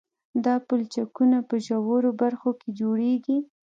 دا پلچکونه په ژورو برخو کې جوړیږي